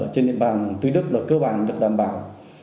trên địa bàn tuy đức là cơ bản được đảm bảo